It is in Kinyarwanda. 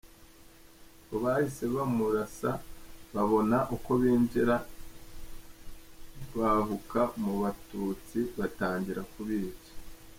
Ngo bahise bamurasa babona uko binjira bahuka mu Batutsi batangira kubica.